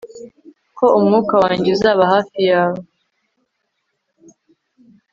ko umwuka wanjye uzaba hafi yawe